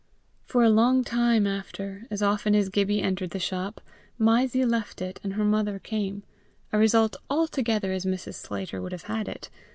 For a long time after, as often as Gibbie entered the shop, Mysie left it and her mother came a result altogether as Mrs. Sclater would have had it.